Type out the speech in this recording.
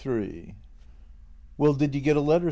Ill W ELL, did you get a letter?